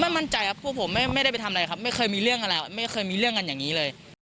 มั่นใจครับพวกผมไม่ได้ไปทำอะไรครับไม่เคยมีเรื่องอะไรไม่เคยมีเรื่องกันอย่างนี้เลย